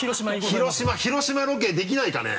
広島ロケできないかね？